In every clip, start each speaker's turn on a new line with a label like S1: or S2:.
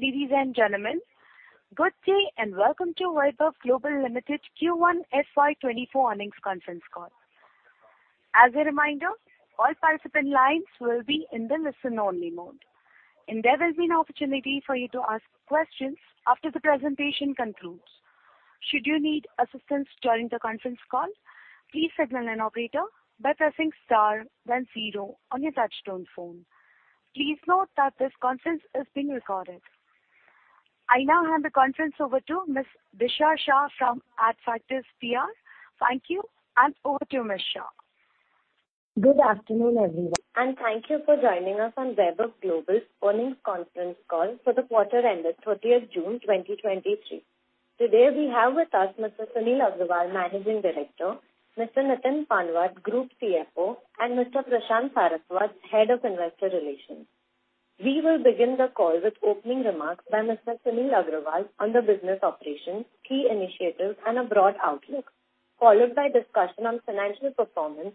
S1: Ladies and gentlemen, good day, and welcome to Vaibhav Global Limited Q1 FY 2024 earnings conference call. As a reminder, all participant lines will be in the listen-only mode, and there will be an opportunity for you to ask questions after the presentation concludes. Should you need assistance during the conference call, please signal an operator by pressing star then zero on your touchtone phone. Please note that this conference is being recorded. I now hand the conference over to Ms. Disha Shah from Adfactors PR. Thank you, and over to you, Ms. Shah.
S2: Good afternoon, everyone. Thank you for joining us on Vaibhav Global's earnings conference call for the quarter ended 30 June 2023. Today, we have with us Mr. Sunil Agrawal, Managing Director, Mr. Nitin Panwar, Group CFO, and Mr. Prashant Saraswat, Head of Investor Relations. We will begin the call with opening remarks by Mr. Sunil Agrawal on the business operations, key initiatives, and a broad outlook, followed by discussion on financial performance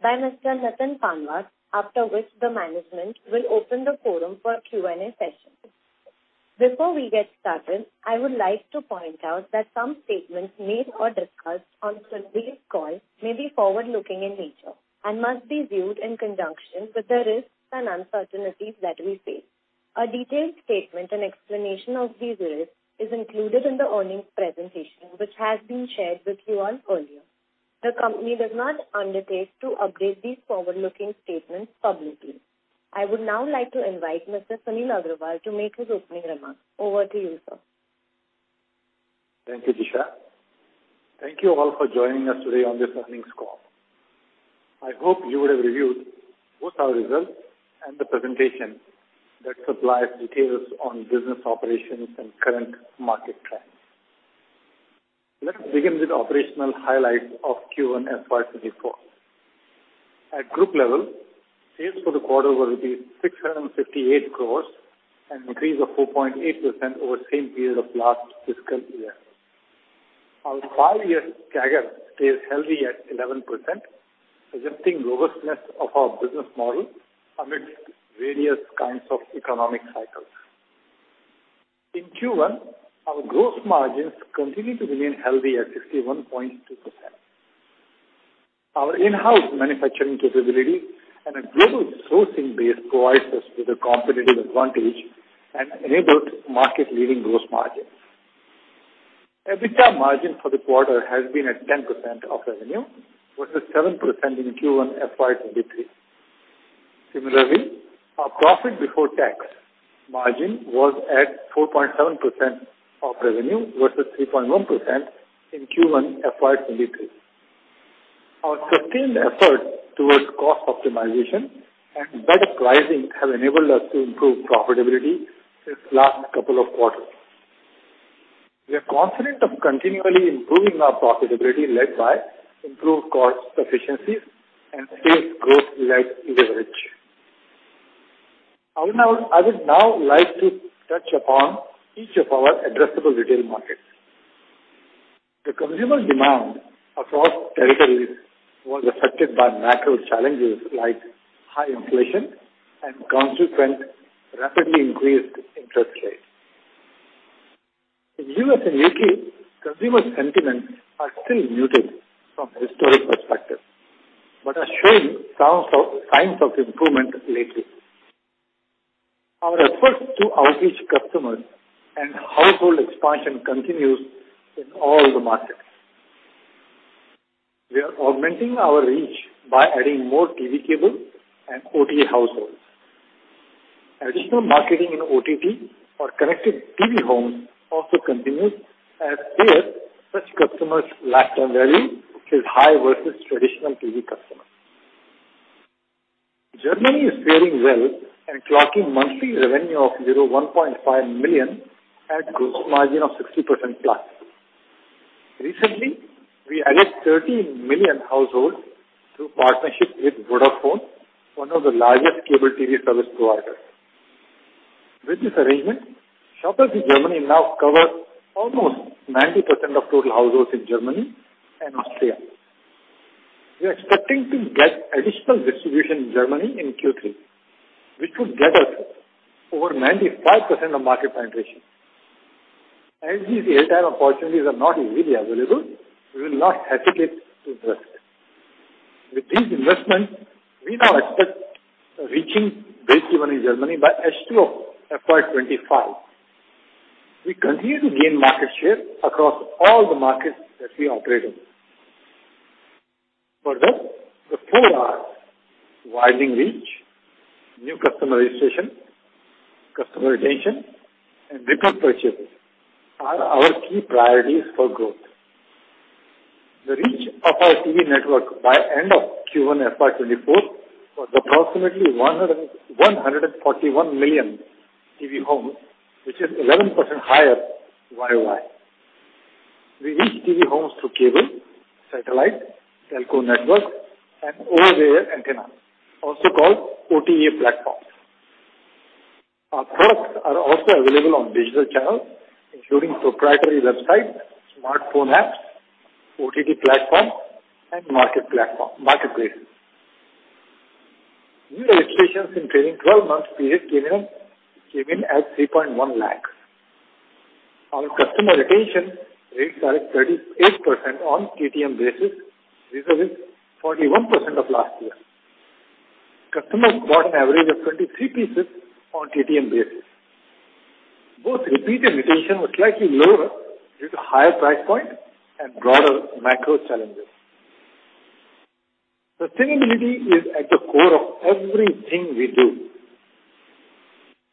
S2: by Mr. Nitin Panwar, after which the management will open the forum for a Q&A session. Before we get started, I would like to point out that some statements made or discussed on today's call may be forward-looking in nature and must be viewed in conjunction with the risks and uncertainties that we face. A detailed statement and explanation of these risks is included in the earnings presentation, which has been shared with you all earlier. The company does not undertake to update these forward-looking statements publicly. I would now like to invite Mr. Sunil Agrawal to make his opening remarks. Over to you, sir.
S3: Thank you, Disha. Thank you all for joining us today on this earnings call. I hope you would have reviewed both our results and the presentation that supplies details on business operations and current market trends. Let's begin with operational highlights of Q1 FY 2024. At group level, sales for the quarter were 658 crore, an increase of 4.8% over the same period of last fiscal year. Our 5-year CAGR stays healthy at 11%, suggesting robustness of our business model amidst various kinds of economic cycles. In Q1, our gross margins continued to remain healthy at 61.2%. Our in-house manufacturing capability and a global sourcing base provides us with a competitive advantage and enabled market-leading gross margins. EBITDA margin for the quarter has been at 10% of revenue versus 7% in Q1 FY 2023. Similarly, our profit before tax margin was at 4.7% of revenue versus 3.1% in Q1 FY 2023. Our sustained effort towards cost optimization and better pricing have enabled us to improve profitability since last couple of quarters. We are confident of continually improving our profitability, led by improved cost efficiencies and sales growth like leverage. I would now like to touch upon each of our addressable retail markets. The consumer demand across territories was affected by macro challenges like high inflation and consequent rapidly increased interest rates. In US and UK, consumer sentiments are still muted from a historic perspective, but are showing signs of improvement lately. Our efforts to outreach customers and household expansion continues in all the markets. We are augmenting our reach by adding more TV cable and OTA households. Additional marketing in OTT or connected TV homes also continues as their such customers' lifetime value, which is high versus traditional TV customers. Germany is fairing well and clocking monthly revenue of 1.5 million at gross margin of 60% plus. Recently, we added 13 million households through partnership with Vodafone, one of the largest cable TV service providers. With this arrangement, shoppers in Germany now cover almost 90% of total households in Germany and Austria. We are expecting to get additional distribution in Germany in Q3, which would get us over 95% of market penetration. As these opportunities are not easily available, we will not hesitate to invest. With these investments, we now expect reaching breakeven in Germany by H2 of FY 2025. We continue to gain market share across all the markets that we operate in. Further, the four Rs, widening reach, new customer registration, customer retention, and repeat purchases, are our key priorities for growth. The reach of our TV network by end of Q1 FY2024 was approximately 141 million TV homes, which is 11% higher year-over-year. We reach TV homes through cable, satellite, telco network, and over-the-air antenna, also called OTA platforms. Our products are also available on digital channels, including proprietary websites, smartphone apps, OTT platforms, and marketplaces. New registrations in trailing 12 months period came in at 3.1 lakh. Our customer retention rates are at 38% on TTM basis, versus 41% of last year. Customers bought an average of 23 pieces on TTM basis. Both repeat and retention were slightly lower due to higher price point and broader macro challenges. Sustainability is at the core of everything we do.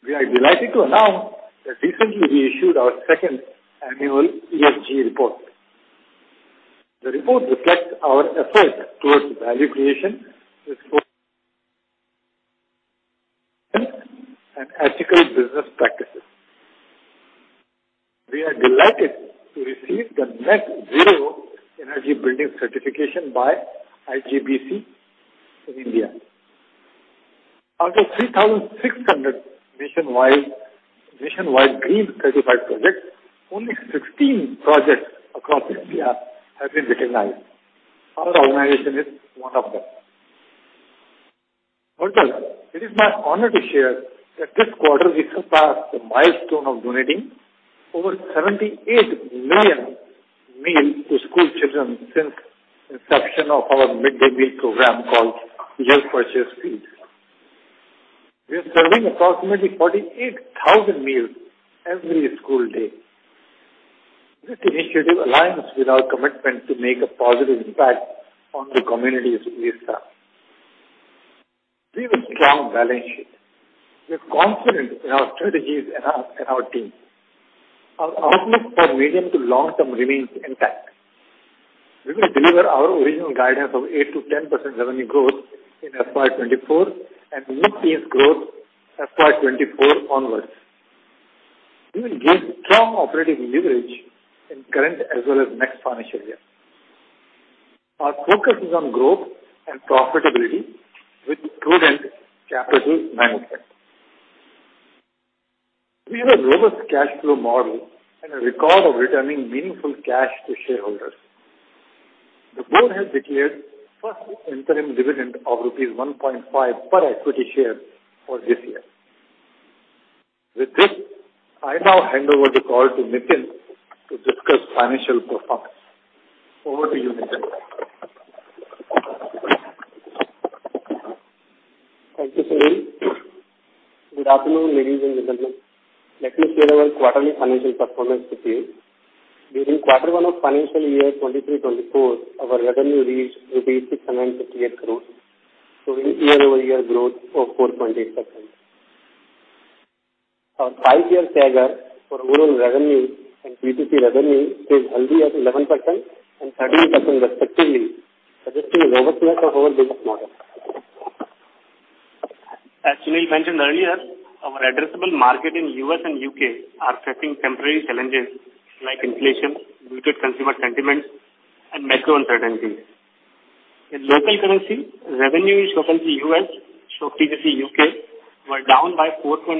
S3: We are delighted to announce that recently we issued our second annual ESG report. The report reflects our efforts towards value creation with and ethical business practices. We are delighted to receive the Net Zero Energy Building Certification by IGBC in India. Out of 3,600 nationwide, nationwide green certified projects, only 16 projects across India have been recognized. Our organization is one of them. Further, it is my honor to share that this quarter we surpassed the milestone of donating over 78 million meals to school children since inception of our midday meal program called Just Purchase Feeds. We are serving approximately 48,000 meals every school day. This initiative aligns with our commitment to make a positive impact on the communities we serve. We have a strong balance sheet. We are confident in our strategies and our team. Our outlook for medium to long term remains intact. We will deliver our original guidance of 8%-10% revenue growth in FY 2024 and mid-teen growth FY 2024 onwards. We will gain strong operating leverage in current as well as next financial year. Our focus is on growth and profitability with prudent capital management. We have a robust cash flow model and a record of returning meaningful cash to shareholders. The board has declared first interim dividend of rupees 1.5 per equity share for this year. With this, I now hand over the call to Nitin to discuss financial performance. Over to you, Nitin.
S4: Thank you, Sunil. Good afternoon, ladies and gentlemen. Let me share our quarterly financial performance with you. During quarter one of financial year 2023, 2024, our revenue reached INR 658 crore, showing year-over-year growth of 4.8%. Our 5-year CAGR for overall revenue and P2P revenue is healthy at 11% and 13% respectively, suggesting a robust growth of our business model. As Sunil mentioned earlier, our addressable market in U.S. and U.K. are facing temporary challenges like inflation, muted consumer sentiment, and macro uncertainties. In local currency, revenue in ShopLC US, TJC UK, were down by 4.9%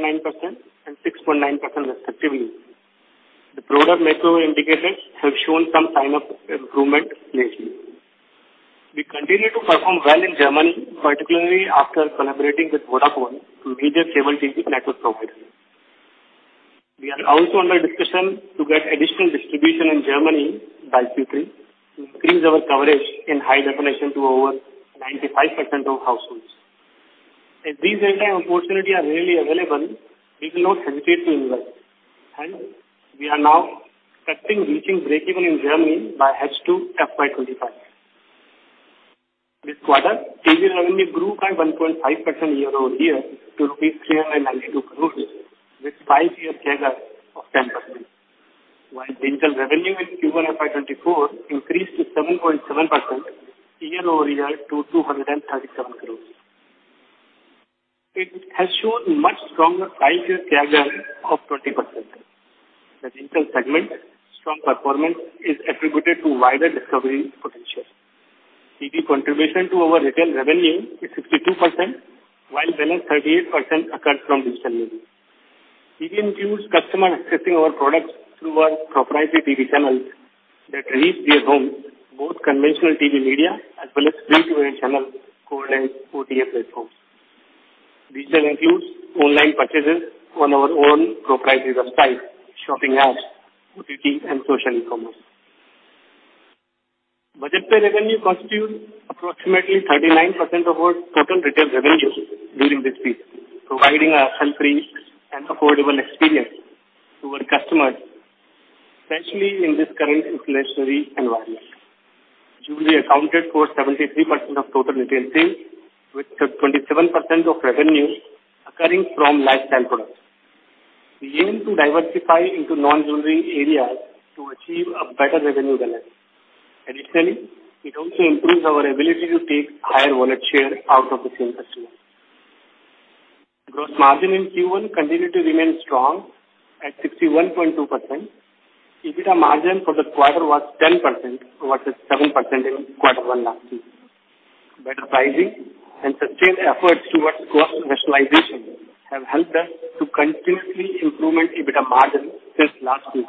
S4: and 6.9% respectively. The broader macro indicators have shown some sign of improvement lately. We continue to perform well in Germany, particularly after collaborating with Vodafone to lead their cable TV network providers. We are also under discussion to get additional distribution in Germany by Q3, increase our coverage in high definition to over 95% of households. If these data opportunity are really available, we will not hesitate to invest, and we are now expecting reaching breakeven in Germany by H2 FY 2025. This quarter, TV revenue grew by 1.5% year-over-year to INR 392 crore, with 5-year CAGR of 10%. While digital revenue in Q1 FY 2024 increased to 7.7% year-over-year to INR 237 crore. It has shown much stronger 5-year CAGR of 20%. The digital segment strong performance is attributed to wider discovery potential. TV contribution to our retail revenue is 62%, while the other 38% occurs from digital media. TV includes customers accessing our products through our proprietary TV channels that reach their home, both conventional TV media as well as free to air channels, called as OTA platforms. Digital includes online purchases on our own proprietary website, shopping apps, OTT, and social commerce. Budget Pay revenue constitutes approximately 39% of our total retail revenue during this period, providing a carefree and affordable experience to our customers, especially in this current inflationary environment. Jewelry accounted for 73% of total retail sales, with 27% of revenue occurring from lifestyle products. We aim to diversify into non-jewelry areas to achieve a better revenue balance. Additionally, it also improves our ability to take higher wallet share out of the same customer. gross margin in Q1 continued to remain strong at 61.2%. EBITDA margin for the quarter was 10%, over the 7% in quarter one last year. Better pricing and sustained efforts towards cost rationalization have helped us to continuously improvement EBITDA margin since last year.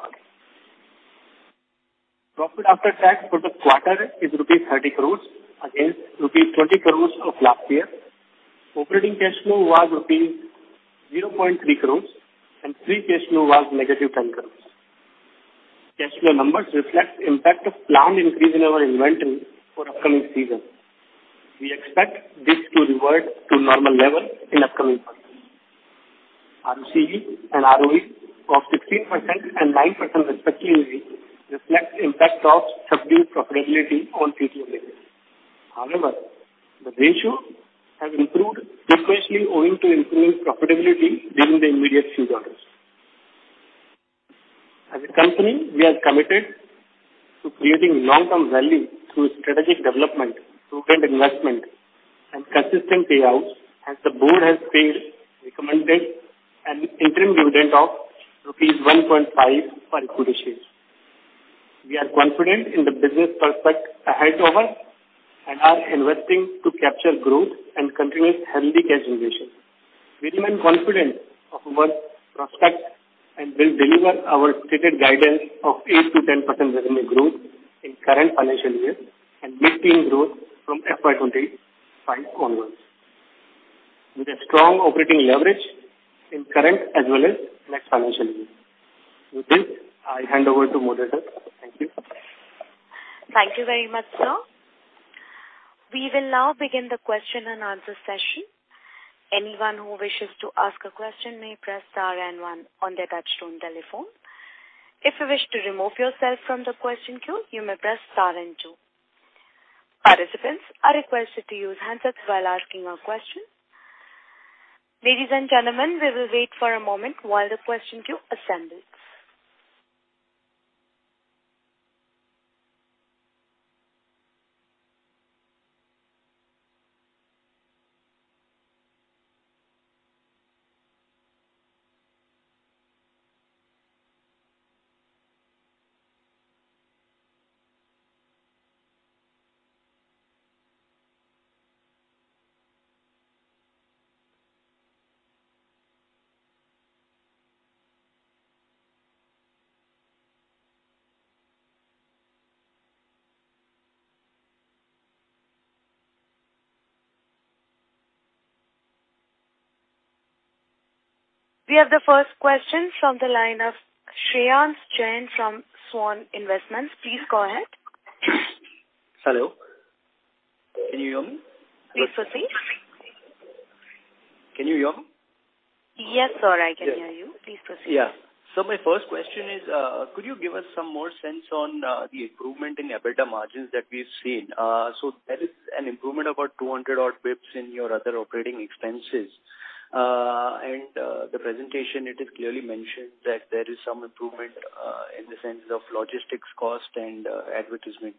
S4: Profit after tax for the quarter is rupees 30 crore, against rupees 20 crore of last year. Operating cash flow was rupees 0.3 crore, and free cash flow was -10 crore. Cash flow numbers reflect the impact of planned increase in our inventory for upcoming season. We expect this to revert to normal level in upcoming quarter. RCE and ROE of 16% and 9%, respectively, reflect the impact of subdued profitability on PTM. However, the ratio has improved sequentially, owing to improved profitability during the immediate few quarters. As a company, we are committed to creating long-term value through strategic development, prudent investment, and consistent payouts, as the board has paid, recommended an interim dividend of rupees 1.5 per equity share. We are confident in the business prospects ahead of us and are investing to capture growth and continue healthy cash generation. We remain confident of our prospects and will deliver our stated guidance of 8%-10% revenue growth in current fiscal year, and mid-teen growth from FY25 onwards, with a strong operating leverage in current as well as next fiscal year. With this, I hand over to moderator. Thank you.
S1: Thank you very much, sir. We will now begin the question-and-answer session. Anyone who wishes to ask a question may press star and one on their touchtone telephone. If you wish to remove yourself from the question queue, you may press star and two. Participants are requested to use handsets while asking a question. Ladies and gentlemen, we will wait for a moment while the question queue assembles. We have the first question from the line of Shreyansh Jain from Svan Investments. Please go ahead.
S5: Hello, can you hear me?
S1: Please proceed.
S5: Can you hear me?
S1: Yes, sir, I can hear you. Please proceed.
S5: Yeah. My first question is, could you give us some more sense on the improvement in EBITDA margins that we've seen? There is an improvement of about 200 odd bips in your other operating expenses. The presentation, it is clearly mentioned that there is some improvement in the sense of logistics cost and advertisement.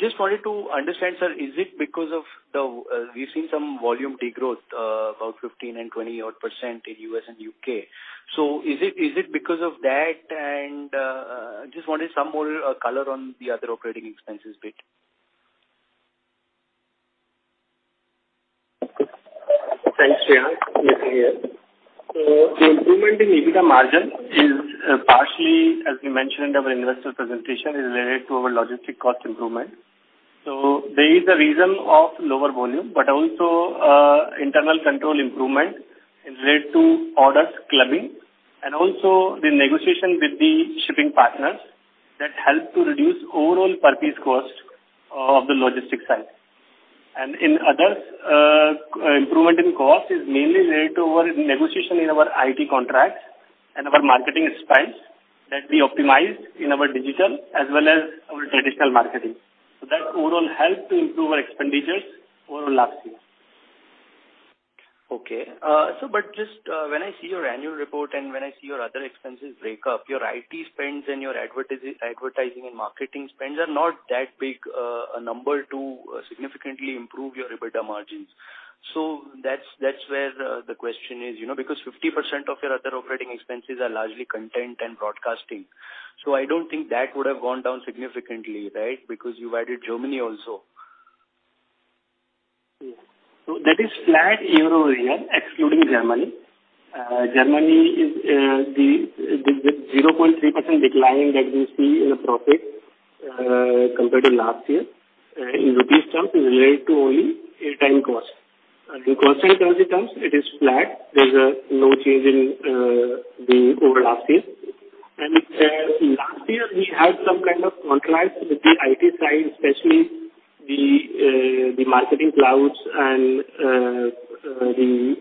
S5: Just wanted to understand, sir, is it because of the we've seen some volume degrowth about 15% and 20% odd in U.S. And U.K. Is it, is it because of that? Just wanted some more color on the other operating expenses bit.
S4: Thanks, Shreyansh. Yes, the improvement in EBITDA margin is partially, as we mentioned in our investor presentation, is related to our logistic cost improvement. There is a reason of lower volume, but also internal control improvement is related to orders clubbing and also the negotiation with the shipping partners that help to reduce overall per piece cost of the logistics side. In other improvement in cost is mainly related to our negotiation in our IT contracts and our marketing spends, that we optimized in our digital as well as our traditional marketing. That overall helped to improve our expenditures over last year.
S5: Okay. Just, when I see your annual report and when I see your other expenses break up, your IT spends and your advertising and marketing spends are not that big, a number to significantly improve your EBITDA margins. That's, that's where the question is, you know, because 50% of your other operating expenses are largely content and broadcasting. I don't think that would have gone down significantly, right? Because you added Germany also.
S4: Yeah. That is flat year-over-year, excluding Germany. Germany is the 0.3% decline that we see in the profit compared to last year in rupees terms is related to only airtime cost. In constant currency terms, it is flat. There's no change in the over last year. Last year, we had some kind of contracts with the IT side, especially the marketing clouds and the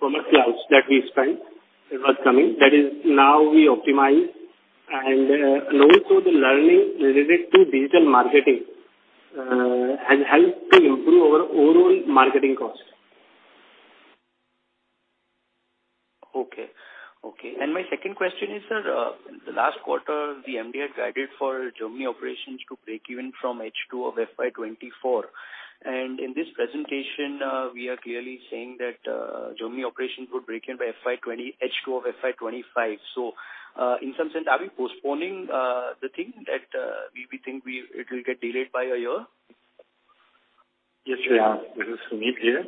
S4: promo clouds that we spent in last coming. That is now we optimize and also the learning related to digital marketing has helped to improve our overall marketing cost.
S5: Okay. Okay, my second question is, sir, in the last quarter, the MD had guided for Germany operations to break even from H2 of FY 2024, in this presentation, we are clearly saying that Germany operations would break even by H2 of FY 2025. In some sense, are we postponing the thing that it will get delayed by a year?
S3: Yes, yeah, this is Sunil here.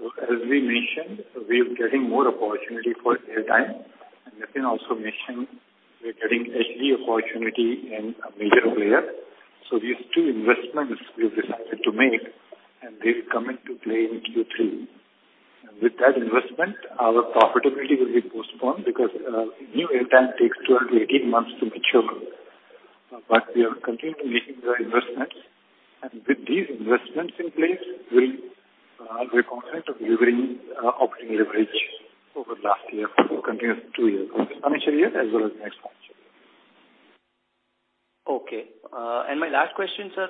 S3: As we mentioned, we are getting more opportunity for airtime. Nitin also mentioned we are getting HD opportunity and a major player. These two investments we've decided to make. They will come into play in Q3. With that investment, our profitability will be postponed because new airtime takes 12-18 months to mature. We are continuing making the investments. With these investments in place, we are confident of delivering operating leverage over last year, for continuous 2 years, financial year, as well as next financial year.
S5: Okay. My last question, sir,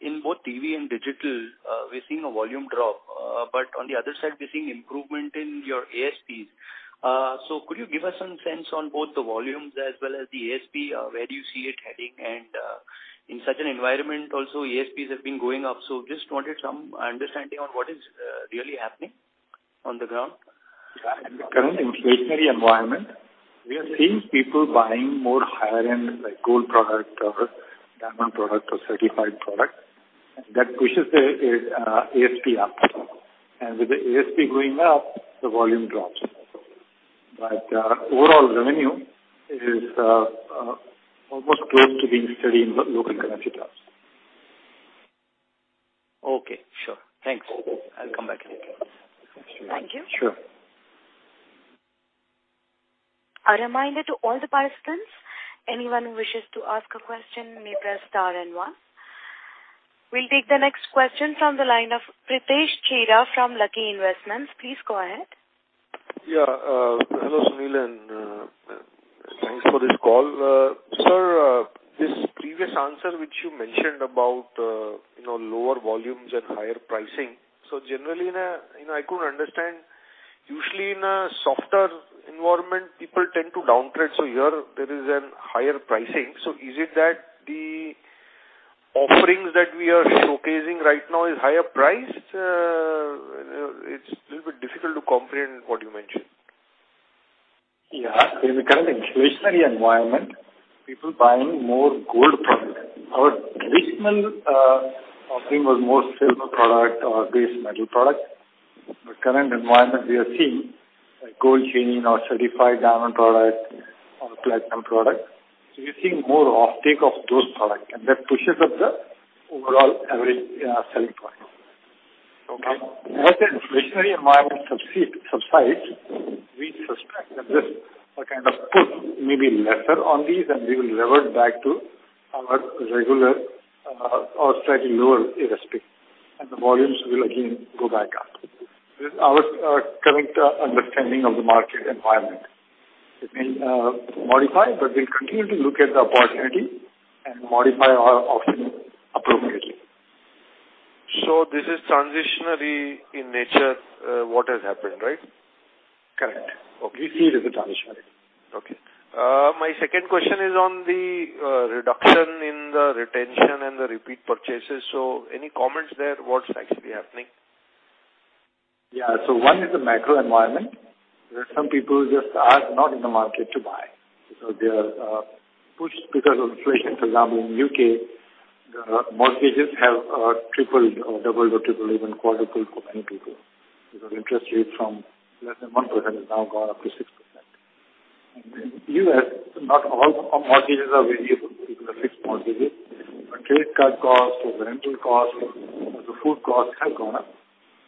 S5: in both TV and digital, we're seeing a volume drop. On the other side, we're seeing improvement in your ASPs. Could you give us some sense on both the volumes as well as the ASP, where do you see it heading? In such an environment, also, ASPs have been going up. Just wanted some understanding on what is really happening on the ground.
S3: In the current inflationary environment, we are seeing people buying more higher-end, like gold product or diamond product or certified product. That pushes the ASP up. With the ASP going up, the volume drops. Overall revenue is almost close to being steady in local currency terms.
S5: Okay, sure. Thanks. I'll come back.
S1: Thank you.
S3: Sure.
S1: A reminder to all the participants, anyone who wishes to ask a question, may press star and one. We'll take the next question from the line of Pritesh Chheda from Lucky Investments. Please go ahead.
S6: Yeah, hello, Sunil, and thanks for this call. Sir, this previous answer, which you mentioned about, you know, lower volumes and higher pricing. Generally, in a... You know, I couldn't understand, usually in a softer environment, people tend to downtrend, so here there is a higher pricing. Is it that the offerings that we are showcasing right now is higher priced? It's a little bit difficult to comprehend what you mentioned.
S3: Yeah. In the current inflationary environment, people buying more gold product. Our traditional offering was more silver product or base metal product. Current environment, we are seeing, like, gold chaining or certified diamond product or platinum product. We're seeing more offtake of those products, and that pushes up the overall average selling price. As the inflationary environment subsides, we suspect that this kind of push may be lesser on these, and we will revert back to our regular or slightly lower ASP, and the volumes will again go back up. This is our current understanding of the market environment. It may modify, but we'll continue to look at the opportunity and modify our offering appropriately.
S6: this is transitionary in nature, what has happened, right?
S3: Correct.
S6: Okay.
S3: We see it as a transitionary.
S6: Okay. My second question is on the reduction in the retention and the repeat purchases. Any comments there? What's actually happening?
S3: Yeah. One is the macro environment, where some people just are not in the market to buy because they are pushed because of inflation. For example, in U.K., the mortgages have tripled, or doubled or tripled, even quadrupled for many people, because interest rates from less than 1% has now gone up to 6%. In the U.S., not all mortgages are variable, people are fixed mortgages, but credit card costs or the rental costs, the food costs have gone up.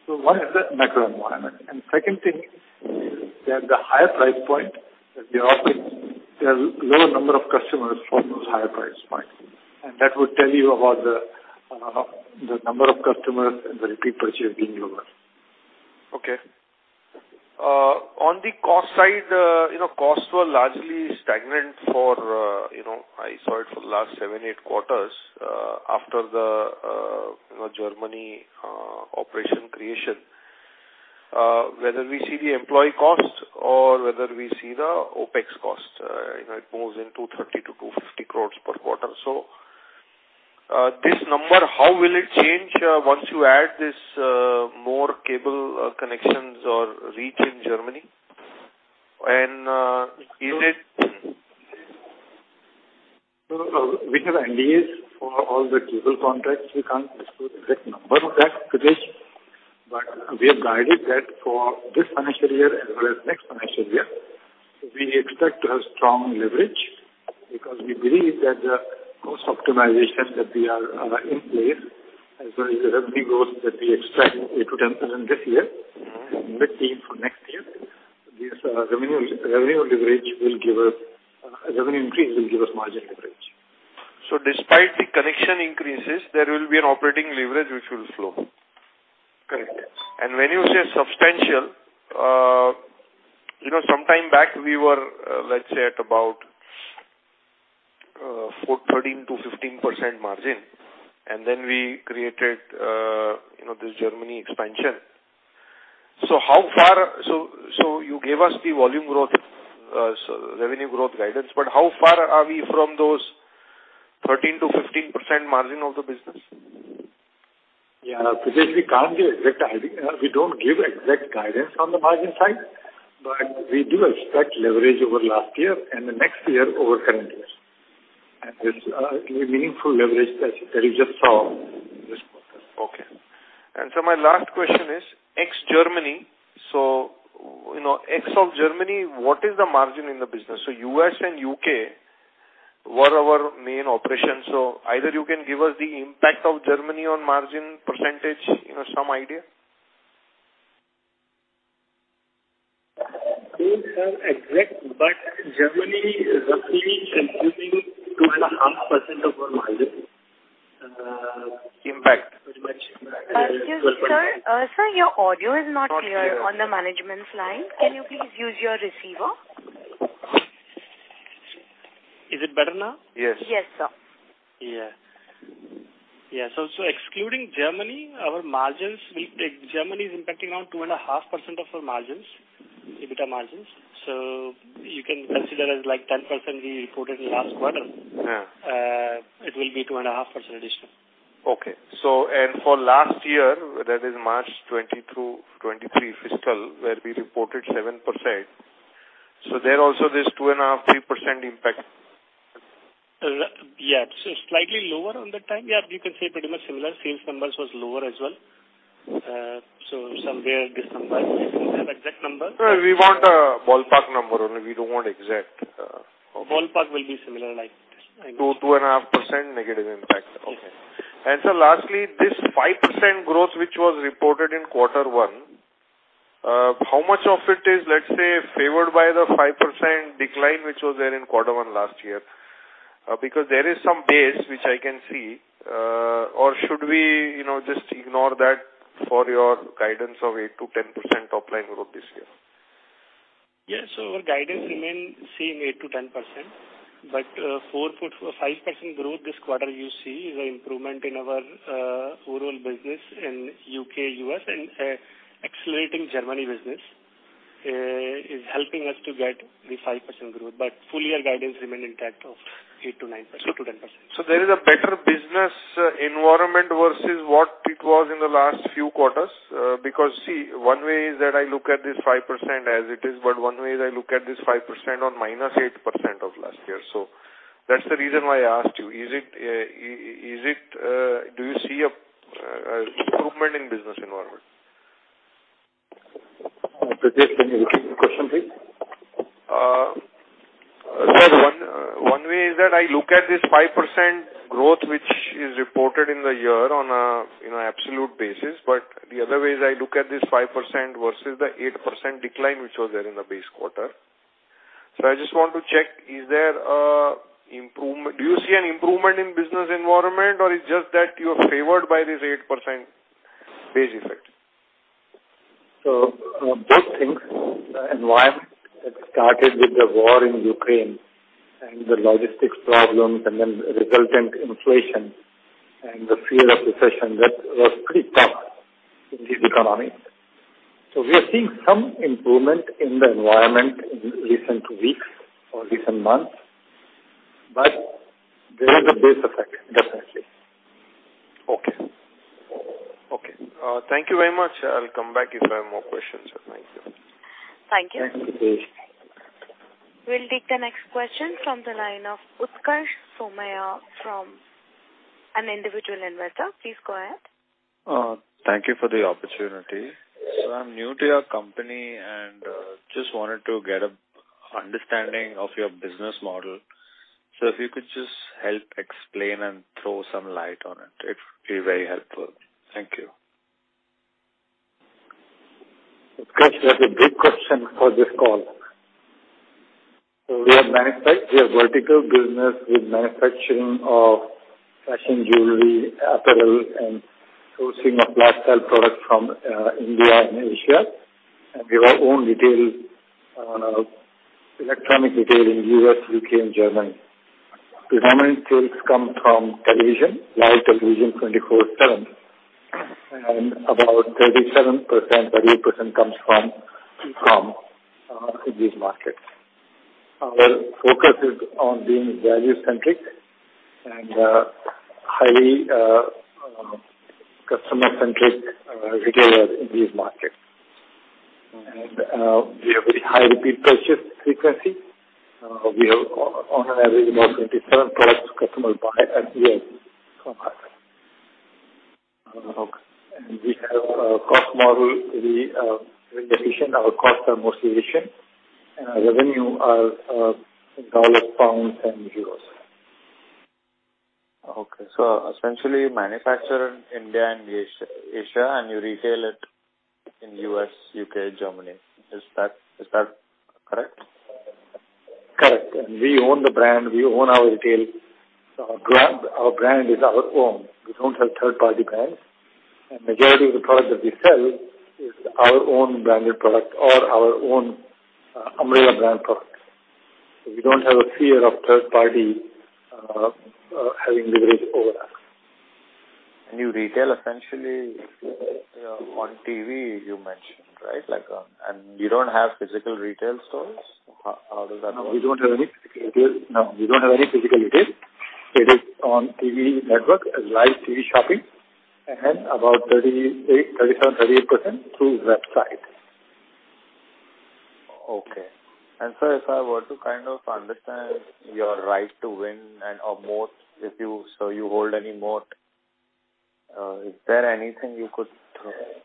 S3: One is the macro environment. Second thing is that the higher price point that we are offering, there are lower number of customers from those higher price points, and that would tell you about the number of customers and the repeat purchases being lower.
S6: Okay. on the cost side, you know, costs were largely stagnant for, you know, I saw it for the last seven, eight quarters, after the, you know, Germany operation creation. Whether we see the employee costs or whether we see the OpEx costs, you know, it moves in 230 crore-250 crore per quarter. This number, how will it change, once you add this, more cable, connections or reach in Germany? Is it-
S3: We have NDAs for all the cable contracts. We can't disclose the exact number of that today. We have guided that for this financial year as well as next financial year. We expect to have strong leverage because we believe that the cost optimization that we are in place, as well as the revenue growth that we expect it to temper in this year.
S6: Mm-hmm.
S3: -with the for next year, this, revenue, revenue leverage will give us, revenue increase will give us margin leverage.
S6: Despite the connection increases, there will be an operating leverage, which will flow?
S3: Correct.
S6: When you say substantial, you know, some time back, we were, let's say, at about 4%, 13%-15% margin, and then we created, you know, this Germany expansion. You gave us the volume growth, revenue growth guidance, but how far are we from those 13%-15% margin of the business?
S3: Yeah, Pritesh, we can't give exact guidance. We don't give exact guidance on the margin side, but we do expect leverage over last year and the next year over current year.... It's a meaningful leverage that you just saw this quarter.
S6: Okay. My last question is, ex-Germany, you know, ex of Germany, what is the margin in the business? U.S. And U.K. were our main operations, either you can give us the impact of Germany on margin %, you know, some idea?
S3: Don't have exact. Germany is roughly contributing 2.5% of our margin, impact pretty much.
S1: Sir, sir, your audio is not clear on the management's line. Can you please use your receiver?
S3: Is it better now?
S6: Yes.
S1: Yes, sir.
S3: Yeah. Yeah, so excluding Germany, our margins. Germany is impacting on 2.5% of our margins, EBITDA margins. You can consider as like 10% we reported last quarter.
S6: Yeah.
S3: It will be 2.5% additional.
S6: Okay. For last year, that is March 2023 fiscal, where we reported 7%, there also this 2.5%-3% impact.
S3: Yeah. Slightly lower on that time. Yeah, you can say pretty much similar. Sales numbers was lower as well. Somewhere this number, I don't have exact number.
S6: No, we want a ballpark number only. We don't want exact.
S3: Ballpark will be similar, like-
S6: 2, 2.5% negative impact.
S3: Okay.
S6: Lastly, this 5% growth, which was reported in Q1, how much of it is, let's say, favored by the 5% decline, which was there in Q1 last year? Because there is some base which I can see, or should we, you know, just ignore that for your guidance of 8%-10% top line growth this year?
S3: Yes. Our guidance remain same, 8%-10%, but 4.5% growth this quarter you see is an improvement in our overall business in UK, US, and accelerating Germany business is helping us to get the 5% growth, but full year guidance remain intact of 8%-9% to 10%.
S6: There is a better business environment versus what it was in the last few quarters? Because, see, one way is that I look at this 5% as it is, but one way is I look at this 5% on minus 8% of last year. That's the reason why I asked you, is it, is it... Do you see a improvement in business environment?
S3: Pritesh, can you repeat the question, please?
S6: One, one way is that I look at this 5% growth, which is reported in the year on a, you know, absolute basis, but the other way is I look at this 5% versus the 8% decline, which was there in the base quarter. I just want to check, is there an improvement in business environment, or it's just that you're favored by this 8% base effect?
S3: Both things, environment, it started with the war in Ukraine and the logistics problems and then resultant inflation and the fear of recession, that was pretty tough in this economy. We are seeing some improvement in the environment in recent weeks or recent months, but there is a base effect, definitely.
S6: Okay. Okay, thank you very much. I'll come back if I have more questions. Thank you.
S1: Thank you.
S3: Thank you.
S1: We'll take the next question from the line of Utkarsh Somaiya from an individual investor. Please go ahead.
S7: Thank you for the opportunity. I'm new to your company, and, just wanted to get a understanding of your business model. If you could just help explain and throw some light on it, it would be very helpful. Thank you.
S3: Utkarsh, that's a big question for this call. We are a vertical business with manufacturing of fashion jewelry, apparel, and sourcing of lifestyle products from India and Asia. We have our own retail on our electronic retail in U.S., U.K., and Germany. The dominant sales come from television, live television, 24/7, and about 37%, 30% comes from these markets. Our focus is on being value-centric and highly customer-centric retailer in these markets. We have a high repeat purchase frequency. We have on average, about 27 products customers buy at year from us. We have a cost model. We very efficient. Our costs are most efficient, and our revenue are in dollars, pounds, and euros.
S7: Okay. essentially manufacture in India and Asia, and you retail it in U.S., U.K., Germany. Is that correct?
S3: Correct. We own the brand. We own our retail. Our brand, our brand is our own. We don't have third-party brands, and majority of the product that we sell is our own branded product or our own umbrella brand product. We don't have a fear of third party having leverage over us.
S7: You retail essentially, on TV, you mentioned, right? Like, and you don't have physical retail stores? How, how does that work?
S3: No, we don't have any physical retail. No, we don't have any physical retail. It is on TV network, live TV shopping, and about 38, 37, 38% through website.
S7: Okay. If I were to kind of understand your right to win and or moat, if you hold any moat, is there anything you could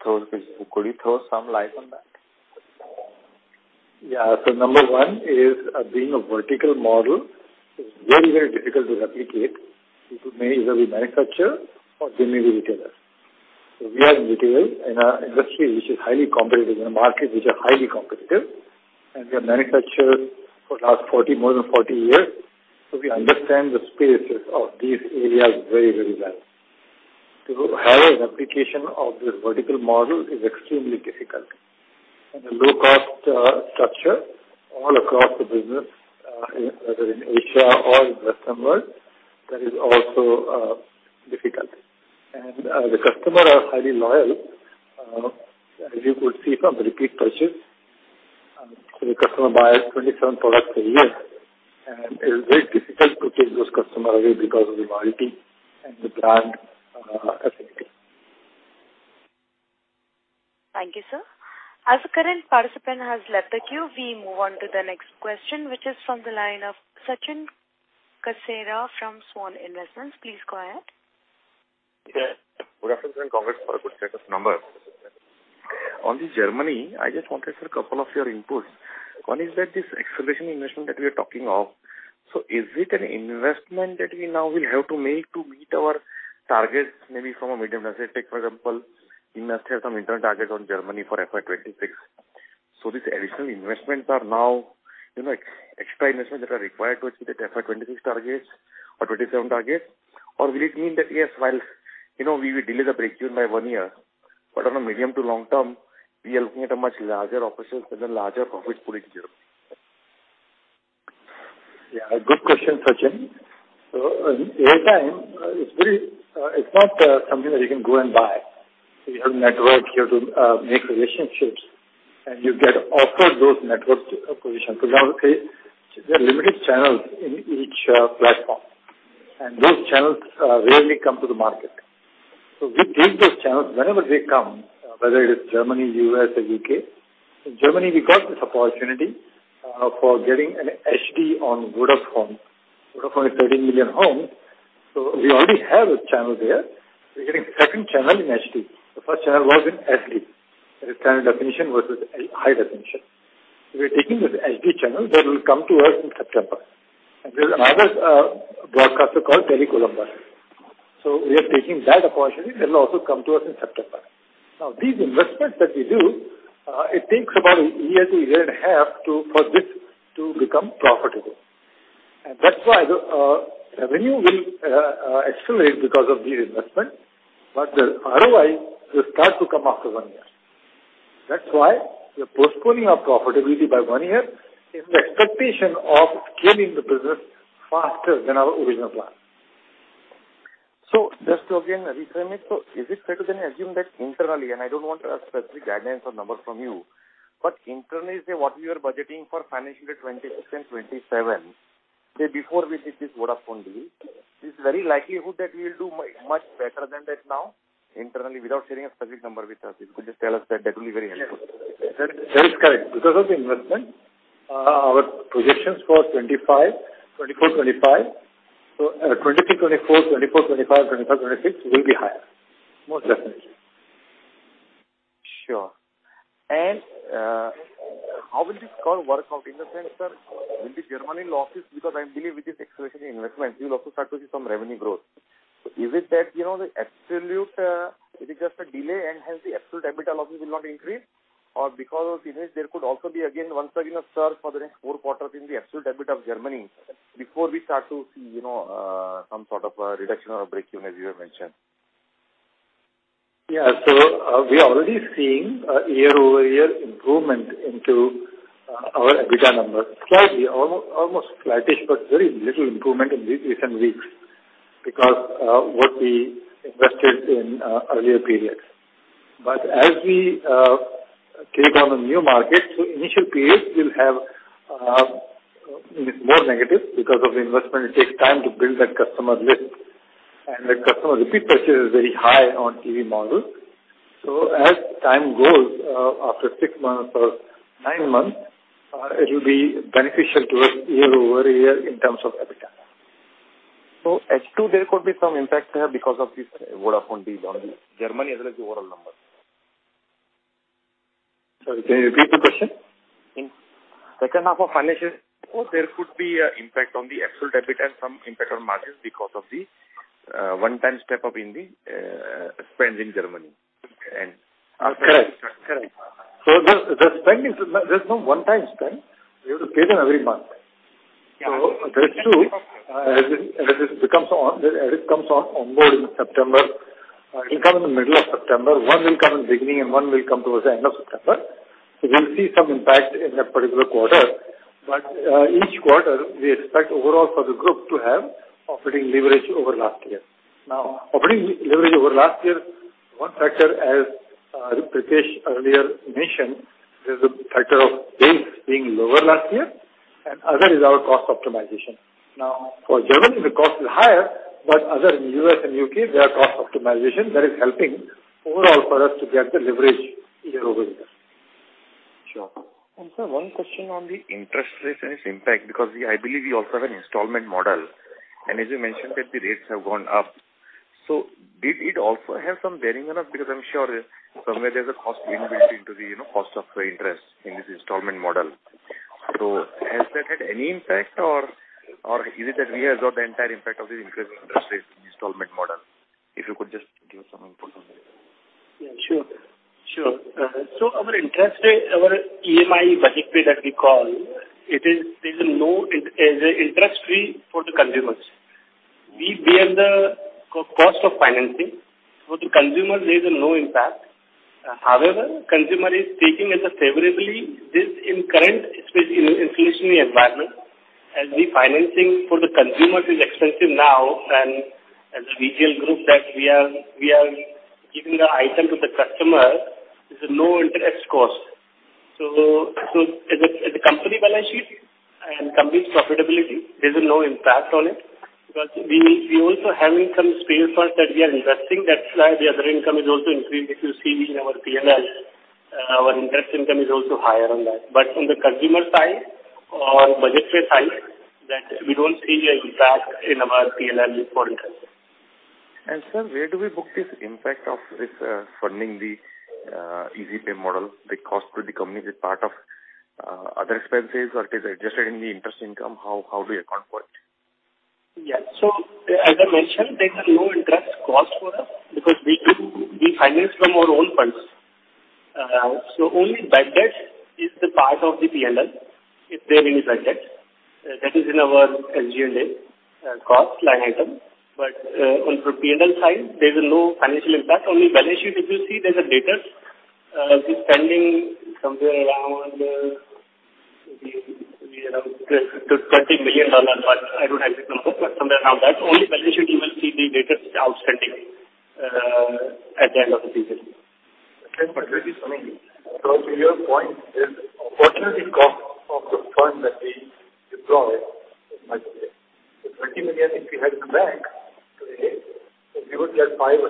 S7: throw some light on that?
S3: Number one is, being a vertical model, it's very, very difficult to replicate. It would may either be manufacturer or they may be retailer. We are in retail, in a industry which is highly competitive, in a market which are highly competitive, and we are manufacturers for the last 40, more than 40 years, we understand the spaces of these areas very, very well. To have a replication of this vertical model is extremely difficult. The low-cost structure all across the business, whether in Asia or in Western world, that is also difficult. The customer are highly loyal, as you could see from the repeat purchase. The customer buys 27 products a year, and it's very difficult to take those customers away because of the loyalty and the brand affinity.
S1: Thank you, sir. As the current participant has left the queue, we move on to the next question, which is from the line of Sachin Kasera from Svan Investments. Please go ahead.
S8: Yeah. Good afternoon, congrats for a good set of numbers. On this Germany, I just wanted a couple of your inputs. One is that this acceleration investment that we are talking of, is it an investment that we now will have to make to meet our targets, maybe from a medium perspective? For example, you must have some internal targets on Germany for FY 2026. These additional investments are now, you know, ex-extra investments that are required to achieve the FY 2026 targets or 2027 target? Will it mean that, yes, while, you know, we will delay the breakeven by 1 year, but on a medium to long term, we are looking at a much larger operations and a larger profit pool in Germany.
S3: Yeah, good question, Sachin. Airtime, it's very, it's not something that you can go and buy. You have network, you have to make relationships, and you get offered those network position. For example, there are limited channels in each platform, and those channels rarely come to the market. We take those channels whenever they come, whether it is Germany, U.S., or U.K. In Germany, we got this opportunity for getting an HD on Vodafone. Vodafone is 13 million homes, we already have a channel there. We're getting second channel in HD. The first channel was in SD, that is standard definition versus high definition. We're taking this HD channel that will come to us in September, there's another broadcaster called Tele Columbus. We are taking that opportunity. That will also come to us in September. These investments that we do, it takes about 1 year to 1.5 years for this to become profitable. That's why the revenue will accelerate because of these investments, but the ROI will start to come after 1 year. That's why we are postponing our profitability by 1 year in the expectation of scaling the business faster than our original plan.
S8: Just to again reframe it, so is it fair to then assume that internally, and I don't want a specific guidance or numbers from you, but internally, say, what we are budgeting for fiscal year 2026 and 2027, say, before we did this Vodafone deal, it's very likelihood that we will do much better than that now, internally, without sharing a specific number with us. If you could just tell us that, that will be very helpful.
S3: That, that is correct. Because of the investment, our projections for 2025, 2024, 2025, so, 2023, 2024, 2024, 2025, 2025, 2026 will be higher. Most definitely.
S8: Sure. How will this call work out in the sense that will be Germany losses? Because I believe with this acceleration investment, you'll also start to see some revenue growth. Is it that, you know, the absolute, it is just a delay and hence the absolute EBITDA losses will not increase, or because there could also be, again, once again, a surge for the next four quarters in the absolute debit of Germany before we start to see, you know, some sort of a reduction or a breakeven as you have mentioned?
S3: Yeah. We are already seeing a year-over-year improvement into our EBITDA numbers. Slightly, very little improvement in these recent weeks, because what we invested in earlier periods. As we take on the new markets, the initial periods will have more negative. Because of the investment, it takes time to build that customer list, the customer repeat purchase is very high on TV model. As time goes, after six months or nine months, it will be beneficial to us year-over-year in terms of EBITDA.
S8: H2, there could be some impact there because of this Vodafone deal on the Germany as well as the overall numbers?
S3: Sorry, can you repeat the question?
S8: In second half of fiscal year, there could be an impact on the absolute debit and some impact on margins because of the one-time step up in the spend in Germany.
S3: Correct. Correct. The spend is... There's no one-time spend. We have to pay them every month.
S8: Yeah.
S3: That's true. As it comes on onboard in September, it'll come in the middle of September. One will come in the beginning, and one will come towards the end of September. We'll see some impact in that particular quarter. Each quarter, we expect overall for the group to have operating leverage over last year. Operating leverage over last year, one factor, as Pritesh earlier mentioned, is the factor of base being lower last year. Other is our cost optimization. For Germany, the cost is higher, other in US and UK, there are cost optimization that is helping overall for us to get the leverage in over there.
S8: Sure. Sir, one question on the interest rates and its impact, because we, I believe you also have an installment model, and as you mentioned that the rates have gone up. Did it also have some bearing on us? Because I'm sure somewhere there's a cost inbuilt into the, you know, cost of your interest in this installment model. Has that had any impact or, or is it that we absorb the entire impact of the increasing interest rate installment model? If you could just give some input on that.
S3: Yeah, sure. Sure. Our interest rate, our EMI budget fee that we call, it is interest-free for the consumers. We bear the cost of financing. For the consumers, there is no impact. However, consumers are taking it favorably. This in current, especially in an inflationary environment, as the financing for the consumers is expensive now than as a VGL group, that we are giving the item to the customer, there's no interest cost. As a company balance sheet and company's profitability, there's no impact on it. We also having some spare parts that we are investing. That's why the other income is also increased. If you see in our PNL, our interest income is also higher on that. From the consumer side or budget side, that we don't see an impact in our PNL for interest.
S8: Sir, where do we book this impact of this funding, the easy pay model, the cost to the company, is it part of other expenses, or it is adjusted in the interest income? How do you account for it?
S3: Yeah. As I mentioned, there is no interest cost for us because we do, we finance from our own funds. Only budget is the part of the PNL, if there is any budget. That is in our LG&A cost line item. On PNL side, there is no financial impact. Only balance sheet, if you see there's a data, we're spending somewhere around, maybe around $20 million-$30 million, but I don't have the number. Somewhere around that, only balance sheet you will see the data outstanding at the end of the season.
S8: That is coming. To your point is, what is the cost of the fund that we deploy in my view? The $20 million, if we had bank today, so we would get 500%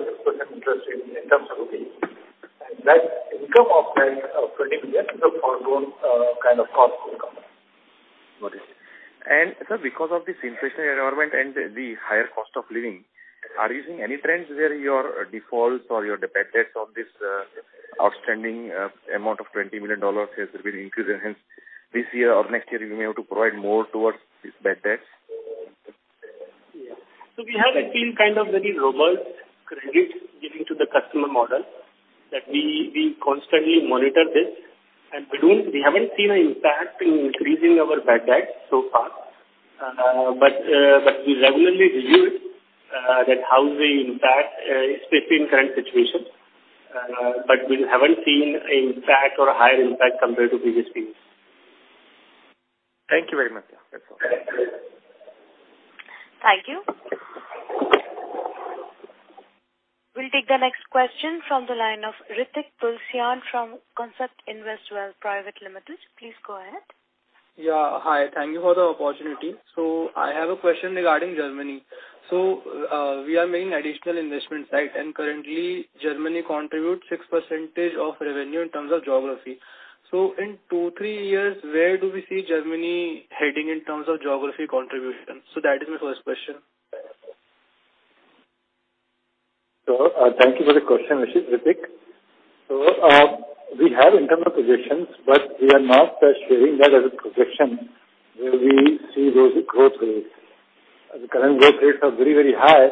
S8: interest in terms of the income of that $20 million is a foregone kind of cost income. Got it. Sir, because of this inflationary environment and the higher cost of living, are you seeing any trends where your defaults or your bad debts of this outstanding amount of $20 million has been increased, and hence, this year or next year, you may have to provide more towards this bad debts?
S3: Yeah. We have a team, kind of very robust credit giving to the customer model, that we, we constantly monitor this, and we don't, we haven't seen an impact in increasing our bad debts so far. We regularly review, that how they impact, especially in current situation. We haven't seen an impact or a higher impact compared to previous periods.
S8: Thank you very much. That's all.
S1: Thank you. We'll take the next question from the line of Ritik Tulsyan from Concept Investwell Private Limited. Please go ahead.
S9: Yeah, hi. Thank you for the opportunity. We are making additional investment side, currently Germany contributes 6% of revenue in terms of geography. In 2-3 years, where do we see Germany heading in terms of geography contribution? That is my first question.
S3: Thank you for the question, Ritik. We have internal positions, but we are not sharing that as a projection, where we see those growth rates. The current growth rates are very, very high,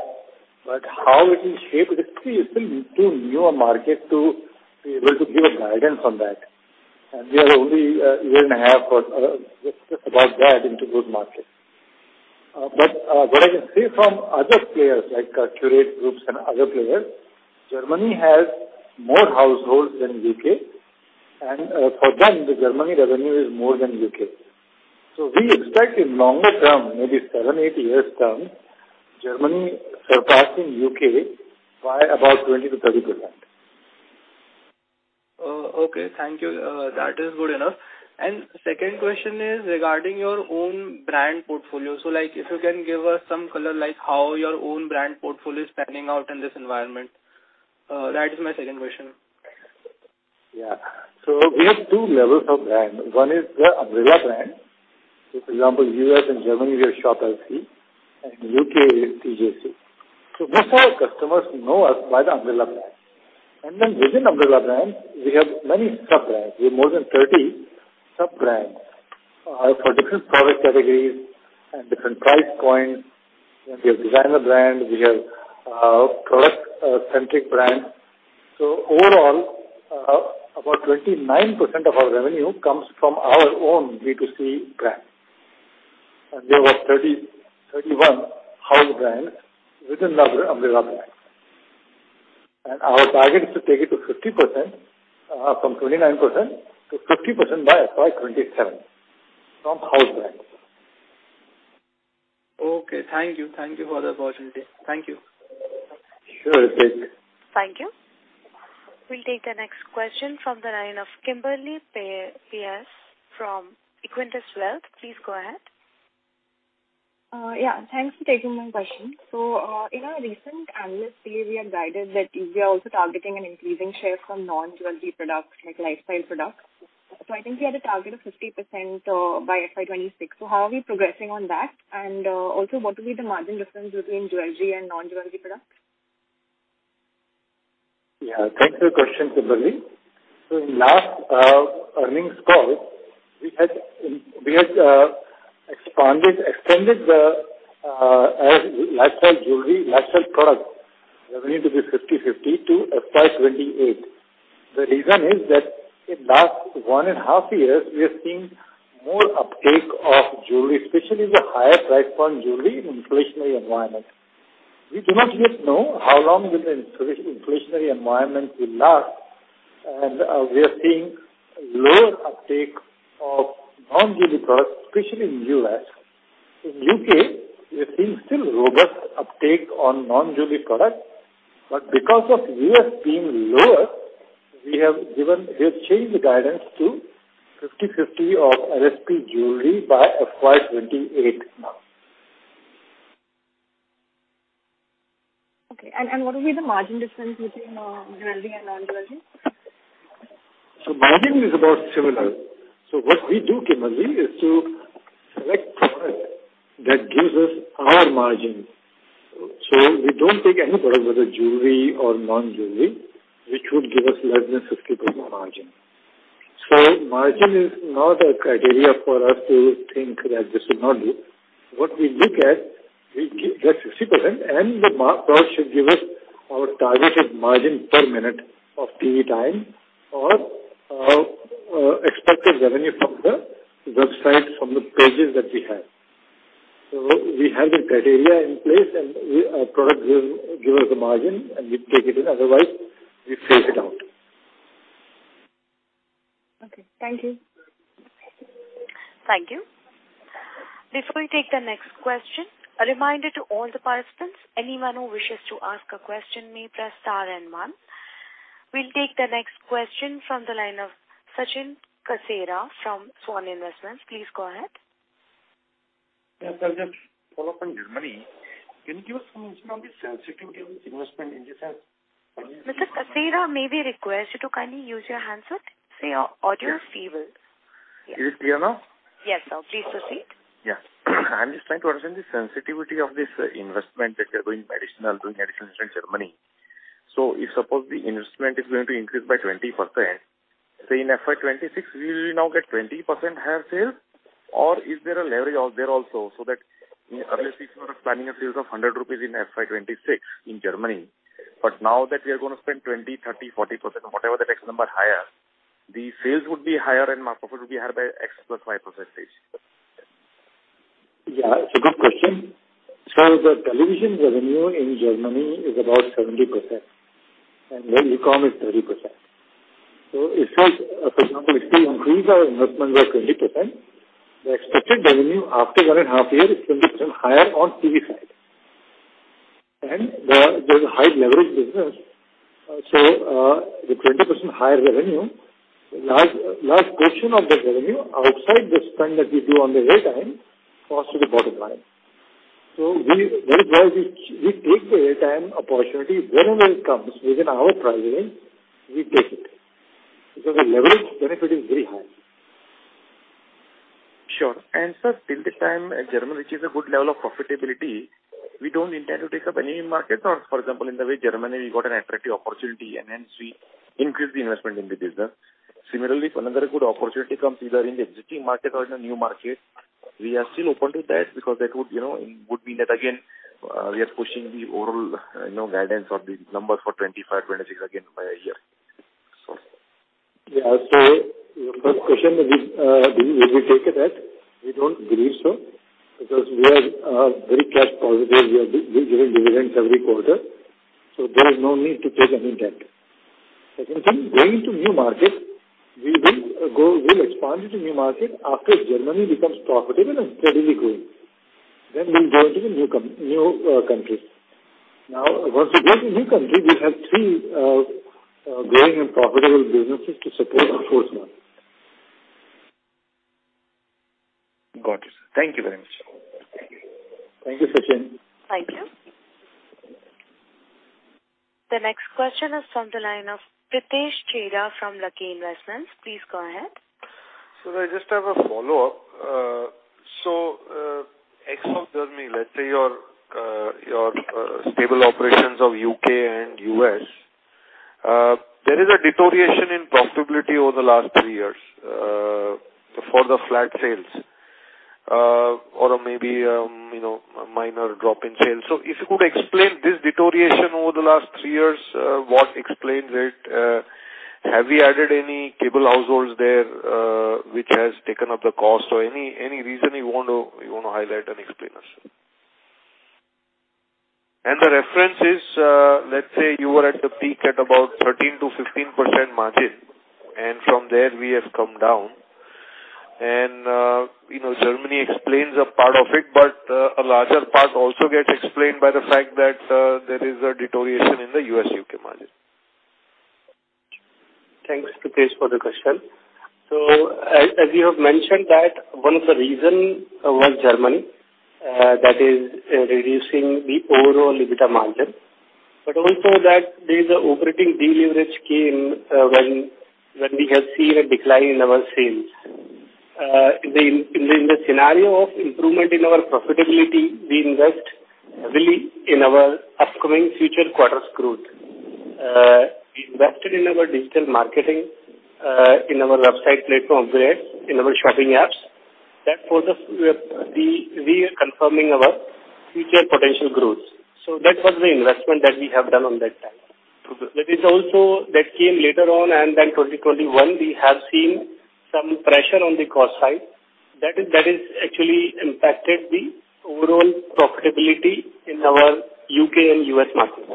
S3: but how it will shape the... It's still too new a market to be able to give a guidance on that. We are only a year and a half or just, just about that into growth market. But what I can say from other players, like Curate groups and other players, Germany has more households than U.K., and for them, the Germany revenue is more than U.K. We expect in longer term, maybe seven, eight years time, Germany surpassing U.K. by about 20%-30%.
S9: Okay. Thank you. That is good enough. Second question is regarding your own brand portfolio. Like, if you can give us some color, like how your own brand portfolio is panning out in this environment. That is my second question.
S3: Yeah. We have 2 levels of brand. One is the umbrella brand. For example, US and Germany, we have Shop LC, and U.K. is TJC. Most of our customers know us by the umbrella brand. Then within umbrella brand, we have many sub-brands. We have more than 30 sub-brands for different product categories and different price points. We have designer brand, we have product centric brand. Overall, about 29% of our revenue comes from our own B2C brand. There were 30, 31 house brands within the umbrella brand. Our target is to take it to 50% from 29%-50% by FY 2027, from house brands.
S6: Okay, thank you. Thank you for the opportunity. Thank you.
S3: Sure, thank you.
S1: Thank you. We'll take the next question from the line of Kimberly Paes from Equentis Wealth. Please go ahead.
S10: Yeah, thanks for taking my question. In our recent analyst day, we had guided that we are also targeting an increasing share from non-jewelry products, like lifestyle products. I think we had a target of 50% by FY 2026. How are we progressing on that? Also, what will be the margin difference between jewelry and non-jewelry products?
S3: Yeah, thanks for the question, Kimberly. In last earnings call, we had expanded, extended the as lifestyle jewelry, lifestyle product, revenue to be 50/50 to FY 2028. The reason is that in last 1.5 years, we have seen more uptake of jewelry, especially the higher price point jewelry in inflationary environment. We do not yet know how long the inflationary environment will last, and we are seeing lower uptake of non-jewelry products, especially in U.S. In U.K., we are seeing still robust uptake on non-jewelry products, because of US being lower, we have changed the guidance to 50/50 of RSP jewelry by FY 2028 now.
S10: Okay. What will be the margin difference between jewelry and non-jewelry?
S3: Margin is about similar. What we do, Kimberly, is to select product that gives us our margin. We don't take any product, whether jewelry or non-jewelry, which would give us less than 50% margin. Margin is not a criteria for us to think that this will not be. What we look at, we get 60%, and the product should give us our targeted margin per minute of TV time or expected revenue from the website, from the pages that we have. We have the criteria in place and we, product give us the margin, and we take it in, otherwise, we phase it out.
S10: Okay, thank you.
S1: Thank you. Before we take the next question, a reminder to all the participants, anyone who wishes to ask a question may press star and one. We'll take the next question from the line of Sachin Kasera from Svan Investments. Please go ahead.
S8: Yes, I'll just follow up on Germany. Can you give us some insight on the sensitivity of this investment in this sense?
S1: Mr. Kasera, may we request you to kindly use your handset, so your audio is clear.
S8: Is it clear now?
S1: Yes, now. Please proceed.
S8: Yeah. I'm just trying to understand the sensitivity of this investment that you're doing medicinal, doing additional investment in Germany. If suppose the investment is going to increase by 20%, so in FY 2026, will you now get 20% higher sales, or is there a leverage out there also, so that earlier this quarter planning a sales of 100 rupees in FY 2026 in Germany, but now that we are going to spend 20%, 30%, 40% or whatever the next number higher, the sales would be higher and more profit would be higher by X + Y%?
S3: Yeah, it's a good question. So the television revenue in Germany is about 70%, and their e-com is 30%. So if it, for example, if we increase our investment by 20%, the expected revenue after one and a half year is 20% higher on TV side. There's a high leverage business. The 20% higher revenue, large, large portion of the revenue outside the spend that we do on the airtime, falls to the bottom line. We, that is why we, we take the airtime opportunity whenever it comes within our pricing, we take it, because the leverage benefit is very high.
S8: Sure. Sir, till the time Germany reaches a good level of profitability, we don't intend to take up any markets? For example, in the way Germany, we got an attractive opportunity, and hence we increase the investment in the business. Similarly, if another good opportunity comes either in the existing market or in a new market, we are still open to that because that would, you know, it would mean that, again, we are pushing the overall, you know, guidance or the number for 2025, 2026 again by a year.
S3: Yeah. Your first question, do we take a debt? We don't believe so, because we are very cash positive. We are giving dividends every quarter, so there is no need to take any debt. Going to new markets, we will go, we expand into new market after Germany becomes profitable and steadily growing, then we'll go into the new country. Once we go to new country, we have three growing and profitable businesses to support the fourth one.
S8: Got it. Thank you very much, sir.
S3: Thank you, Sachin.
S1: Thank you. The next question is from the line of Pritesh Chheda from Lucky Investments. Please go ahead.
S6: I just have a follow-up. Ex of Germany, let's say your stable operations of U.K and U.S., there is a deterioration in profitability over the last 3 years, for the flat sales, or maybe, you know, a minor drop in sales. If you could explain this deterioration over the last 3 years, what explains it? Have you added any cable households there, which has taken up the cost? Any, any reason you want to, you want to highlight and explain us? The reference is, let's say you were at the peak at about 13%-15% margin, and from there we have come down. Germany explains a part of it, but a larger part also gets explained by the fact that there is a deterioration in the U.S., U.K. margin.
S4: Thanks, Pritesh, for the question. As, as you have mentioned that one of the reason was Germany, that is reducing the overall EBITDA margin, also that there is an operating deleverage came, when, when we have seen a decline in our sales. In the scenario of improvement in our profitability, we invest heavily in our upcoming future quarters growth. We invested in our digital marketing, in our website platform, where in our shopping apps, we are confirming our future potential growth. That was the investment that we have done on that time.
S3: There is also... That came later on. Then 2021, we have seen some pressure on the cost side. That is actually impacted the overall profitability in our U.K. and U.S. markets.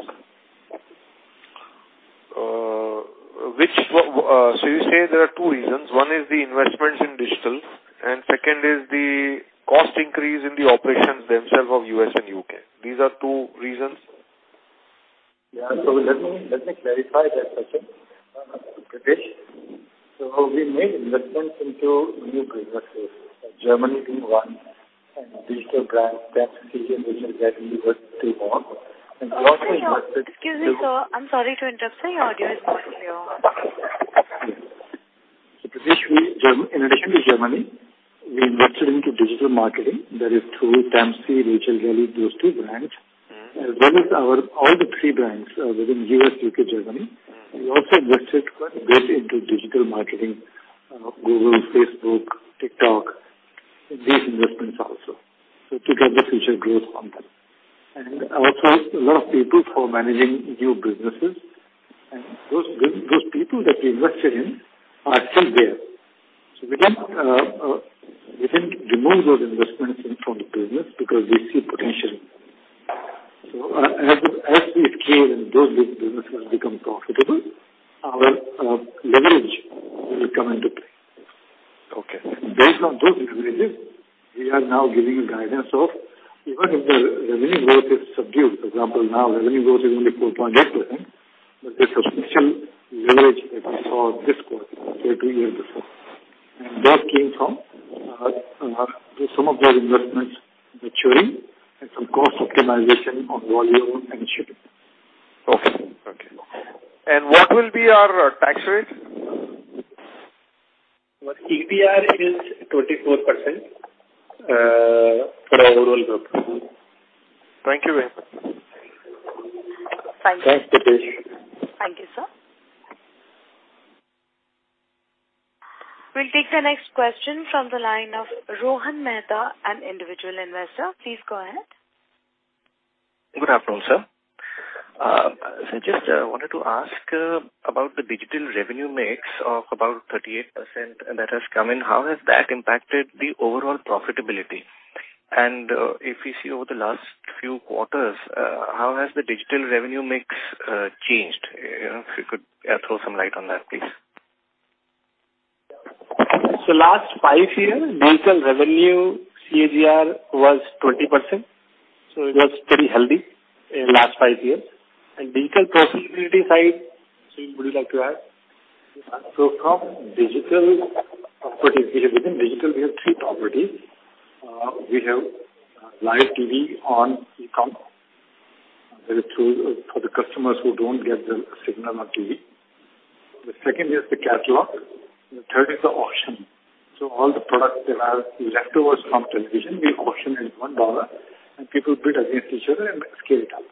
S6: You say there are two reasons. One is the investments in digital, and second is the cost increase in the operations themselves of U.S. and U.K. These are two reasons?
S3: Yeah. Let me, let me clarify that question, Pritesh. We made investments into new businesses, Germany being one, and digital brands, and also invested-
S1: Excuse me, sir. I'm sorry to interrupt, sir. Your audio is not clear.
S3: Pritesh, In addition to Germany, we invested into digital marketing, that is through Tamsy, Rachel Riley, those two brands.
S6: Mm-hmm.
S3: As well as our, all the three brands within U.S., U.K., Germany.
S6: Mm-hmm.
S3: We also invested quite big into digital marketing, Google, Facebook, TikTok, these investments also, so to get the future growth from them. Also a lot of people for managing new businesses. Those people that we invested in are still there. We can't remove those investments in from the business because we see potential. As we scale and those big businesses become profitable, our leverage will come into play.
S6: Okay.
S3: Based on those leverages, we are now giving a guidance of even if the revenue growth is subdued, for example, now revenue growth is only 4.8%, but there's a substantial leverage effect for this quarter compared to a year before. That came from some of those investments maturing and some cost optimization on volume and shipping.
S6: Okay. Thank you. What will be our tax rate?
S4: Well, EPR is 24% for the overall group.
S6: Thank you, Nitin.
S1: Thank you.
S4: Thanks, Pritesh.
S1: Thank you, sir. We'll take the next question from the line of Rohan Mehta, an individual investor. Please go ahead.
S11: Good afternoon, sir. Just wanted to ask about the digital revenue mix of about 38% that has come in. How has that impacted the overall profitability? If we see over the last few quarters, how has the digital revenue mix changed? If you could throw some light on that, please.
S4: Last five years, digital revenue CAGR was 20%, so it was pretty healthy in last five years. Digital profitability side, Sri, would you like to add?
S3: From digital properties, within digital, we have 3 properties. We have live TV on e-com, that is through for the customers who don't get the signal on TV. The second is the catalog, and the third is the auction. All the products that have leftovers from television, we auction at $1, and people bid against each other and scale it up.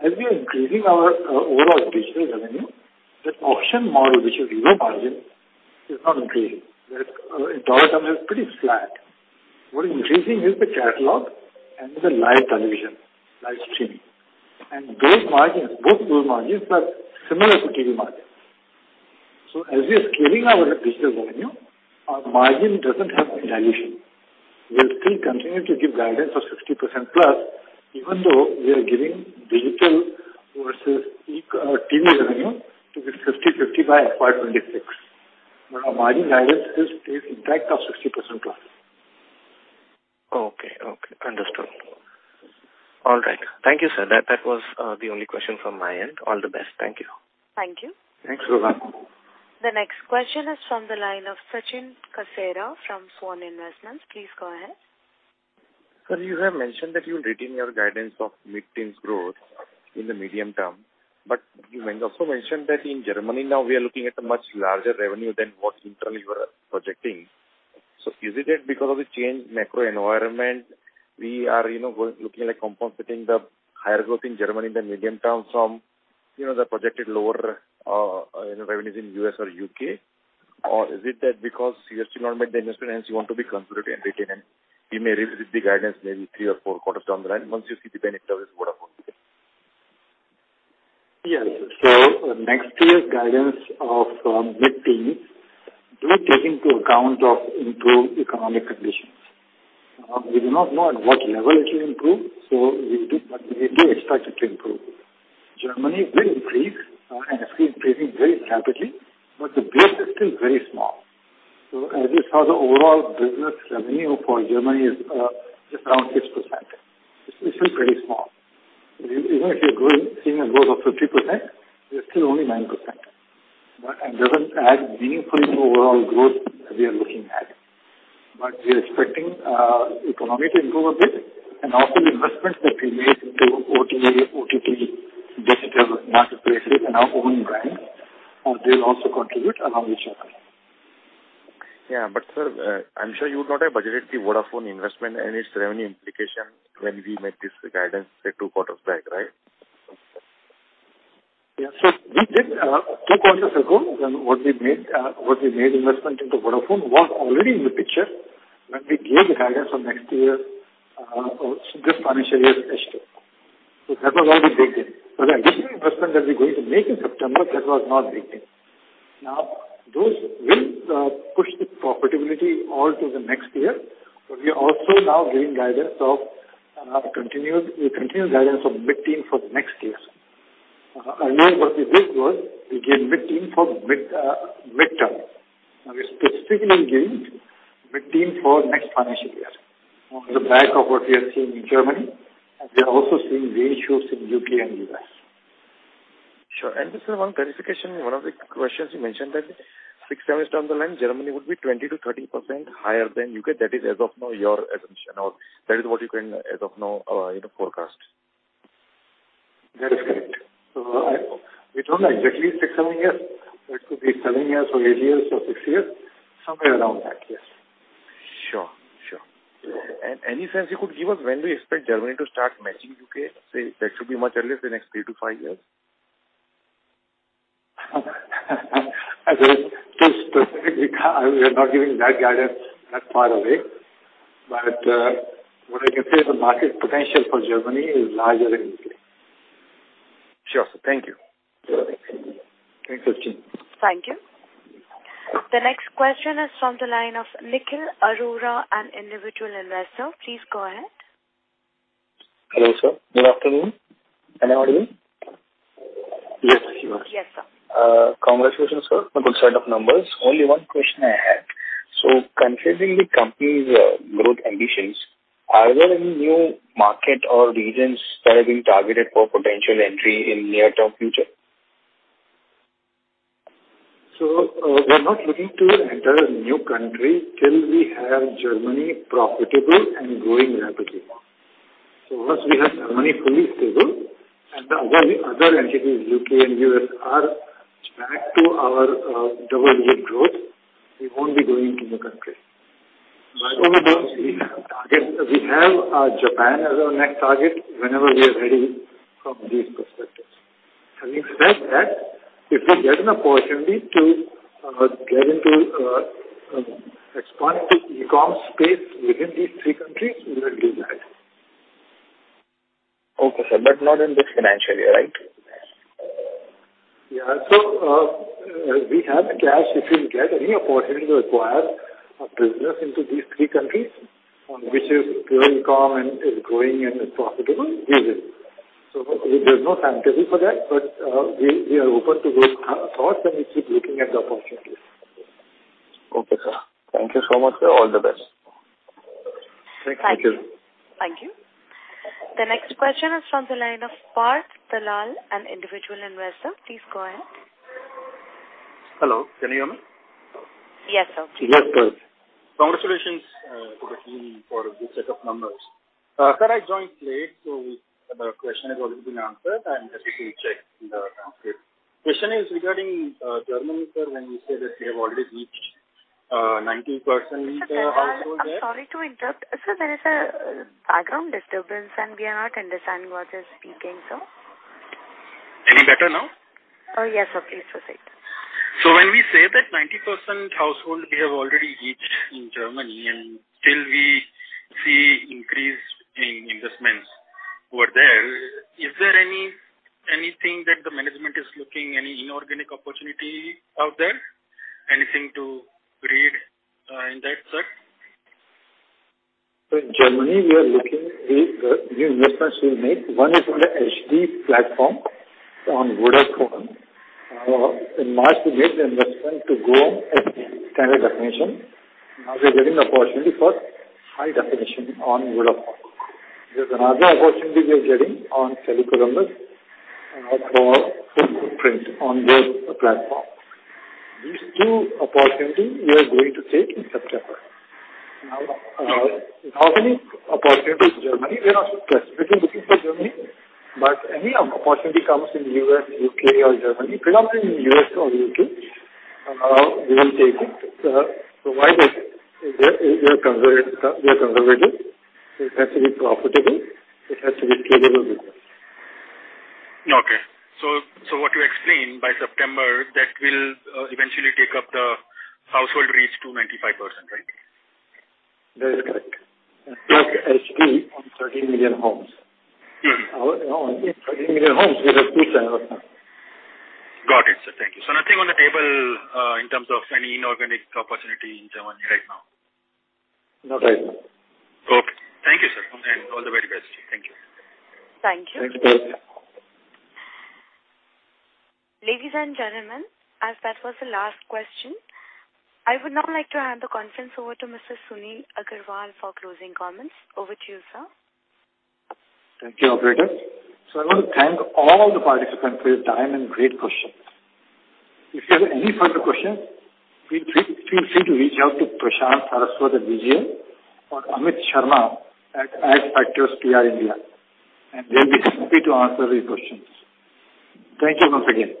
S3: As we are increasing our overall digital revenue, this auction model, which is zero margin, is not increasing. That in $ term is pretty flat. What is increasing is the catalog and the live television, live streaming. Those margins, both those margins, are similar to TV margin. As we are scaling our digital revenue, our margin doesn't have dilution. We'll still continue to give guidance of 60%+, even though we are giving digital versus e- TV revenue to be 50/50 by FY 2026. Our margin guidance is in fact of 60%+.
S11: Okay. Okay. Understood. All right. Thank you, sir. That, that was the only question from my end. All the best. Thank you.
S1: Thank you.
S3: Thanks, Rohan.
S1: The next question is from the line of Sachin Kasera from Svan Investments. Please go ahead.
S8: Sir, you have mentioned that you've retained your guidance of mid-teens growth in the medium term, but you also mentioned that in Germany now we are looking at a much larger revenue than what internally you were projecting. Is it that because of the change macro environment, we are, you know, going, looking like compensating the higher growth in Germany in the medium term from, you know, the projected lower revenues in U.S. or U.K.? Or is it that because you have still not made the investment, hence you want to be conservative and retain and you may revisit the guidance maybe 3 or 4 quarters down the line once you see the benefit of it going forward?
S3: Yes. next year's guidance of mid-teen do take into account of improved economic conditions. We do not know at what level it will improve, so we do, but we do expect it to improve. Germany will increase, and it's been increasing very rapidly, but the base is still very small. As you saw, the overall business revenue for Germany is, just around 6%. It's still very small. Even if you're growing, seeing a growth of 50%, you're still only 9%. That doesn't add meaningfully to overall growth we are looking at. But we are expecting, economic to grow a bit and also investments that we made into OTA, OTT, digital marketplaces and our own brand, they will also contribute along with Germany.
S8: Yeah, sir, I'm sure you would not have budgeted the Vodafone investment and its revenue implication when we made this guidance, say, 2 quarters back, right?
S3: We did 2 quarters ago, when what we made, what we made investment into Vodafone was already in the picture when we gave guidance on next year, or this financial year's H2. That was already baked in. The additional investment that we're going to make in September, that was not baked in. Those will push the profitability all to the next year, but we are also now giving guidance of continued, we continue guidance of mid-teen for the next year. Earlier what we did was, we gave mid-teen for mid, midterm. We're specifically giving mid-teen for next financial year on the back of what we are seeing in Germany, and we are also seeing the issues in UK and US.
S8: Sure. Just one clarification, one of the questions you mentioned that six, seven years down the line, Germany would be 20%-30% higher than U.K. That is, as of now, your assumption, or that is what you can, as of now, in the forecast?
S3: That is correct. We don't know exactly six, seven years. It could be seven years or eight years or six years, somewhere around that, yes.
S8: Sure. Sure. Any sense you could give us when we expect Germany to start matching U.K.? Say, that should be much earlier, the next 3-5 years?
S3: I guess, specifically, we are not giving that guidance that far away. What I can say, the market potential for Germany is larger than U.K.
S8: Sure, sir. Thank you.
S3: Thanks, Sachin.
S1: Thank you. The next question is from the line of Nikhil Arora, an individual investor. Please go ahead.
S12: Hello, sir. Good afternoon and everybody.
S3: Yes, Nikhil.
S1: Yes, sir.
S12: Congratulations, sir. A good set of numbers. Only 1 question I have. Considering the company's growth ambitions, are there any new market or regions that are being targeted for potential entry in near-term future?
S3: We are not looking to enter a new country till we have Germany profitable and growing rapidly more. Once we have Germany fully stable and the other, other entities, UK and US, are back to our double-digit growth, we won't be going to new country. Over the years, we have target, we have Japan as our next target whenever we are ready from these perspectives. Having said that, if we get an opportunity to get into expand to e-com space within these three countries, we will do that.
S12: Okay, sir, not in this financial year, right?
S3: Yeah. We have the cash. If we get any opportunity to acquire a business into these three countries on which is pure e-com and is growing and is profitable, we will. There's no timetable for that, but we are open to those thoughts, and we keep looking at the opportunities.
S12: Okay, sir. Thank you so much, sir. All the best.
S3: Thank you, Nikhil.
S1: Thank you. Thank you. The next question is from the line of Parth Dalal, an individual investor. Please go ahead.
S13: Hello, can you hear me?
S1: Yes, sir.
S3: Yes, good.
S13: Congratulations to the team for a good set of numbers. Sir, I joined late, so the question has already been answered. I'm happy to check in the transcript. Question is regarding Germany, sir, when you say that we have already reached 90% household there?
S1: Sir, I'm sorry to interrupt. Sir, there is a background disturbance. We are not understanding what you're speaking, sir.
S13: Any better now?
S1: Yes, okay. Proceed.
S13: When we say that 90% household we have already reached in Germany, and till we see increased in investments over there, is there any, anything that the management is looking, any inorganic opportunity out there? Anything to read in that set?
S3: In Germany, we are looking at the investments we make. One is on the HD platform on Vodafone. In March, we made the investment to go on SD standard definition. Now we are getting the opportunity for high definition on Vodafone. There's another opportunity we are getting on Tele Columbus for footprint on their platform. These two opportunity we are going to take in September. How many opportunities Germany, we are not just between looking for Germany, but any opportunity comes in U.S., U.K. or Germany, predominantly in U.S. or U.K., we will take it. Provided we are conservative, we are conservative. It has to be profitable, it has to be scalable business.
S13: Okay. So what you explained by September, that will eventually take up the household reach to 95%, right?
S3: That is correct. Take HD on 13 million homes.
S13: Mm-hmm.
S3: on 13 million homes with a good turnover.
S13: Got it, sir. Thank you. Nothing on the table, in terms of any inorganic opportunity in Germany right now?
S3: Not right now.
S13: Okay. Thank you, sir, and all the very best to you. Thank you.
S1: Thank you.
S3: Thank you.
S1: Ladies and gentlemen, as that was the last question, I would now like to hand the conference over to Mr. Sunil Agrawal for closing comments. Over to you, sir.
S3: Thank you, operator. I want to thank all the participants for your time and great questions. If you have any further questions, feel free to reach out to Prashant Saraswat at VGL or Amit Sharma at Adfactors PR India, and they'll be happy to answer your questions. Thank you once again.